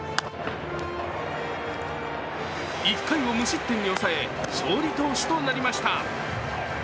１回を無失点に抑え、勝利投手となりました。